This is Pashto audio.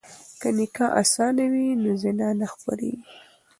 که نکاح اسانه وي نو زنا نه خپریږي.